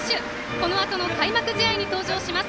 このあとの開幕試合に登場します。